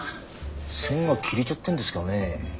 線が切れちゃってんですかね。